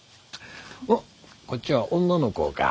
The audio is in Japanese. おっこっちは女の子か。